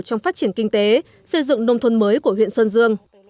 trong phát triển kinh tế xây dựng nông thôn mới của huyện sơn dương